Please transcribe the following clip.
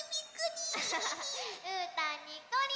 うーたんにっこり！